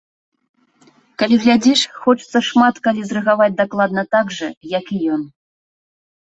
Калі глядзіш, хочацца шмат калі зрэагаваць дакладна так жа, як і ён!